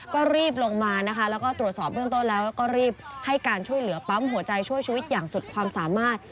ก็รีบลงมานะคะแล้วก็ตรวจสอบเบื้องต้นแล้วก็รีบให้การช่วยเหลือปั๊มหัวใจช่วยชีวิตอย่างสุดความสามารถ